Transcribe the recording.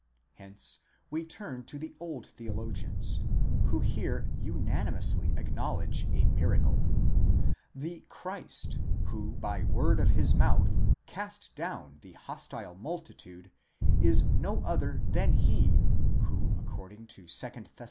Hence we turn to the old theologians, who here unanimously acknowledge a miracle. The Christ who by word of his mouth cast down the hostile multitude, is no other than he who according to 2 Thess.